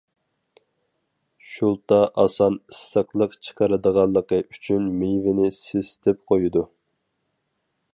شۇلتا ئاسان ئىسسىقلىق چىقىرىدىغانلىقى ئۈچۈن مېۋىنى سېسىتىپ قويىدۇ.